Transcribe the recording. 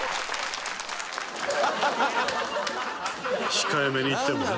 控えめに言ってもね。